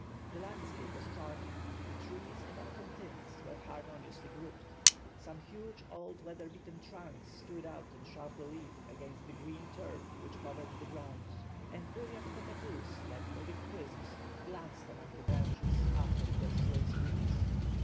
The landscape was charming. The trees in autumn tints, were harmoniously grouped. Some huge old weatherbeaten trunks stood out in sharp relief against the green turf which covered the ground, and brilliant cockatoos, like moving, prisms, glanced among the branches, uttering their shrill screams.